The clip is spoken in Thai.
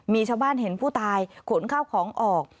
มีชาวบ้านเห็นผู้ตายขนข้าวของออก